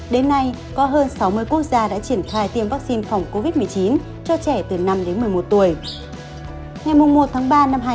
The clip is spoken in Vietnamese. đến nay có hơn sáu mươi quốc gia đã triển khai tiêm vaccine phòng covid một mươi chín cho trẻ từ năm đến một mươi một tuổi